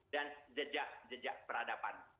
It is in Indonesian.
dan jejak jejak peradaban